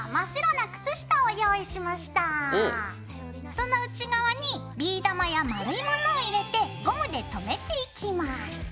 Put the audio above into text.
その内側にビー玉や丸いものを入れてゴムでとめていきます。